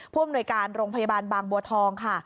ผู้อำนวยการโรงพยาบาลบางบัวทองค่ะ